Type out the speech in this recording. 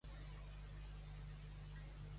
Es diu Zaid: zeta, a, i, de.